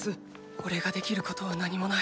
⁉おれができることは何もない。